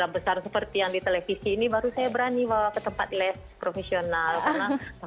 besar seperti yang di televisi ini baru saya berani walaupun tempat les profesional ini sudah udah udah